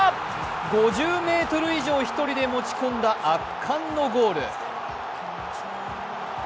５０ｍ以上、１人で持ち込んだ圧巻のゴール。